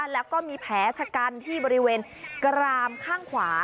แล้วก็มีแผลชะกันที่บริเวณกรามข้างขวา